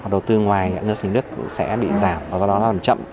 đầu tư ngoài ngân sản nước sẽ bị giảm và do đó làm chậm